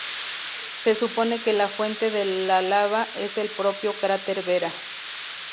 Se supone que la fuente de la lava es el propio cráter Vera.